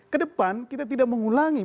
kedepan kita tidak mengulangi